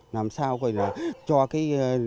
làm sao coi là cho cái